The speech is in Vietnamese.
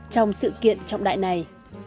trong sự kiện trọng đại này